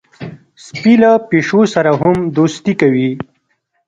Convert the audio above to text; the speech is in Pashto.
سپي له پیشو سره هم دوستي کوي.